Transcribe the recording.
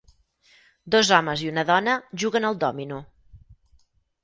Dos homes i una dona juguen al dòmino.